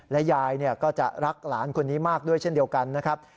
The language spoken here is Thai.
และยายก็จะรักหลานคนนี้มากด้วยเช่นเดียวกันนะครับ